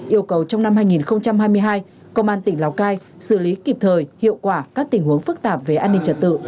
yêu cầu trong năm hai nghìn hai mươi hai công an tỉnh lào cai xử lý kịp thời hiệu quả các tình huống phức tạp về an ninh trật tự